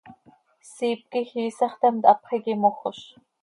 Siip quij iisax theemt, hapx iiqui mojoz.